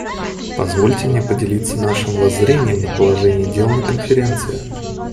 Позвольте мне поделиться нашим воззрением на положение дел на Конференции.